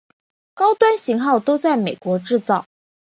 高端型号都在美国制造。